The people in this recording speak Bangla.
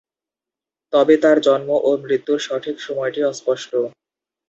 তবে তার জন্ম ও মৃত্যুর সঠিক সময়টি অস্পষ্ট।